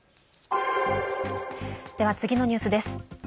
では、次のニュースです。